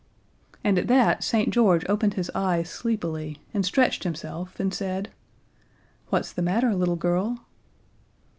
And at that St. George opened his eyes sleepily, and stretched himself and said: "What's the matter, little girl?"